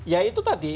ya itu tadi